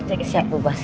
jangan kesiap bubas